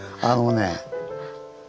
あのね